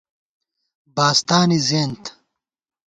باستانی زِیَنت